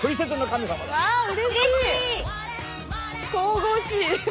神々しい。